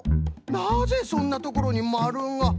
なぜそんなところにまるが。